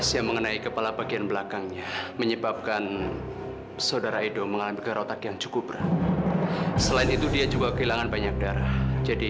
sampai jumpa di video selanjutnya